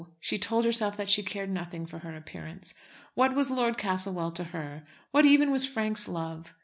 She told herself that she cared nothing for her appearance. What was Lord Castlewell to her, what even was Frank's love?